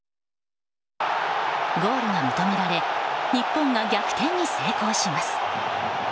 ゴールが認められ日本が逆転に成功します。